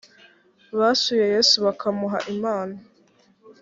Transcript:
basuye yesu bakamuha impano